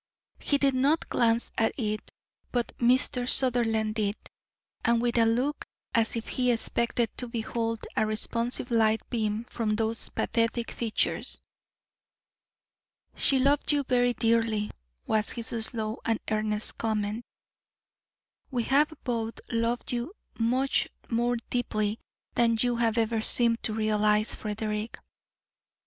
He did not glance at it, but Mr. Sutherland did, and with a look as if he expected to behold a responsive light beam from those pathetic features. "She loved you very dearly," was his slow and earnest comment. "We have both loved you much more deeply than you have ever seemed to realise, Frederick."